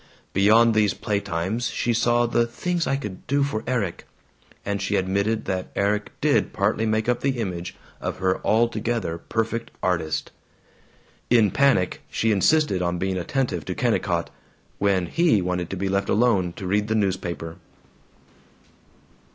Beyond these playtimes she saw the "things I could do for Erik" and she admitted that Erik did partly make up the image of her altogether perfect artist. In panic she insisted on being attentive to Kennicott, when he wanted to be left alone to read the newspaper.